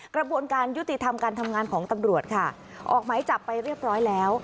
กระบวนการยุติธรรมการทำงานของตำรวจค่ะออกหมายจับไปเรียบร้อยแล้ว